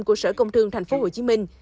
của sở công thương tp hcm